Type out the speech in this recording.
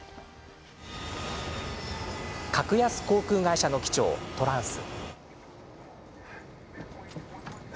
格安航空会社の機長トランス。